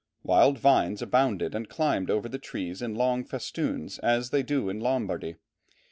Wild vines abounded and climbed over the trees in long festoons as they do in Lombardy.